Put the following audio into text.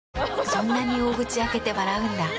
そんなに大口開けて笑うんだ。